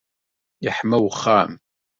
Yeḥma wexxam.